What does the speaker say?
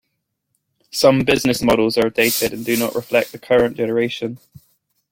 Some business models are dated and do not reflect the current generation.